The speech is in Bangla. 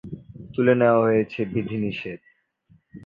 তুলে নেওয়া হয়েছে বিধিনিষেধ।